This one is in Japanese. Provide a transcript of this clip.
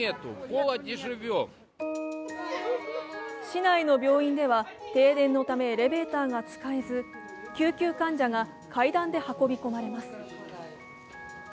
市内の病院では停電のためエレベーターが使えず救急患者が階段で運び込まれます。